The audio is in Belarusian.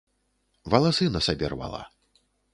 Валасы на сабе рвала.